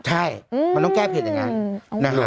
ใช่มันต้องแก้เผ็ดอย่างนั้น